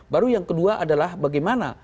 baru yang kedua adalah bagaimana